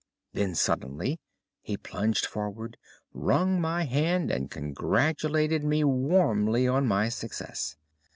Then suddenly he plunged forward, wrung my hand, and congratulated me warmly on my success.